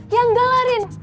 ya enggak arin